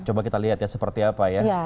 coba kita lihat ya seperti apa ya